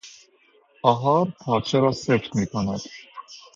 آهار پارچه را سفت میکند.